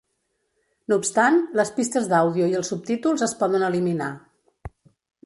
No obstant, les pistes d'àudio i els subtítols es poden eliminar.